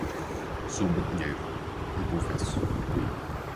Sou maconheiro, eu confesso